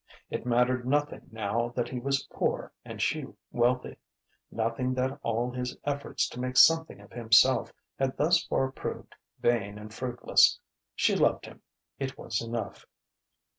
It mattered nothing now that he was poor and she wealthy, nothing that all his efforts to make something of himself had thus far proved vain and fruitless. She loved him: it was enough....